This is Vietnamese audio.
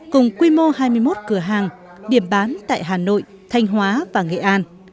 cùng quy mô hai mươi một cửa hàng điểm bán tại hà nội thanh hóa và nghệ an